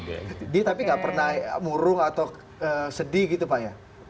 dia tapi gak pernah muruh atau sedih gitu pak ya